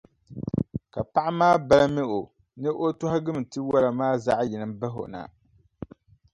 Ka paɣa maa balimi o ni o tɔhigim tiwala maa zaɣʼ yini bahi o na.